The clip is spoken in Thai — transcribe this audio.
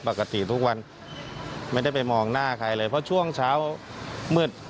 ปกติทุกวันไม่ได้ไปมองหน้าใครเลยเพราะช่วงเช้ามืด